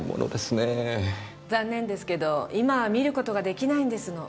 残念ですけど今は見る事ができないんですの。